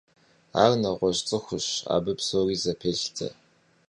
Ар нэгъуэщӏ цӏыхущ, абы псори зэпелъытэ.